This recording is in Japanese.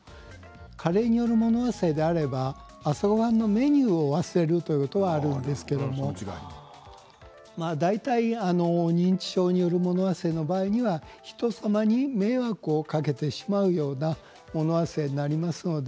加齢による物忘れであれば朝ごはんのメニューを忘れるということはあるんですが大体、認知症による物忘れの場合は、ひとさまに迷惑をかけてしまうような物忘れになります。